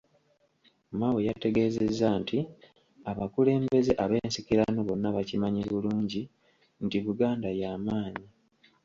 Mao yategeezezza nti abakulembeze ab’ensikirano bonna bakimanyi bulungi nti Buganda ya maanyi.